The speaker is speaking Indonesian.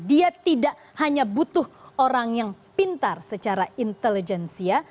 dia tidak hanya butuh orang yang pintar secara intelijensia